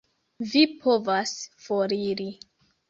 Vi povas foriri.